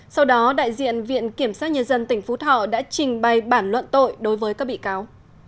sau đó đại diện viện kiểm sát nhân dân tỉnh phú thọ đã trình bày bản luận tội đối với các bị cáo